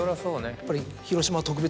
やっぱり。